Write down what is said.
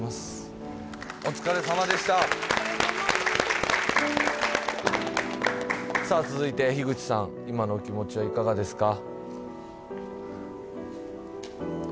お疲れさまでしたお疲れさまさあ続いて今のお気持ちはいかがですか？